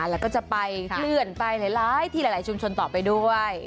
แล้วก็จะไปเคลื่อนไปหลายที่หลายชุมชนต่อไปด้วย